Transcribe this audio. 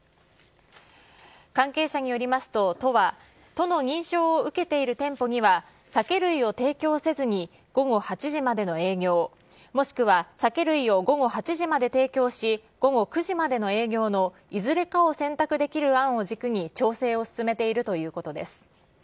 関係者によりますと、都は、都の認証を受けている店舗には、酒類を提供せずに午後８時までの営業、もしくは酒類を午後８時まで提供し午後９時までの営業のいずれかを選択できる案を軸に調整を進めているということです。